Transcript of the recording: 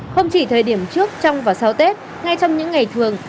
không chỉ thời điểm trước trong và sau tết ngay trong những ngày thường